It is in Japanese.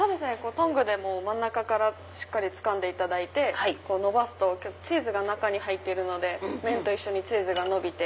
トングで真ん中からしっかりつかんでいただいてのばすとチーズが中に入っているので麺と一緒にチーズがのびて。